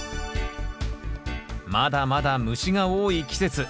まだまだ虫が多い季節。